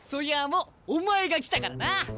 もうお前が来たからな。